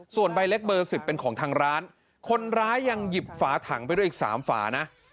ส่วนใบเล็กเบอร์๑๐เป็นของทางร้านคนร้ายยังหยิบฝาถังไปด้วยอีก๓ฝานะ